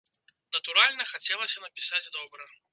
Натуральна, хацелася напісаць добра.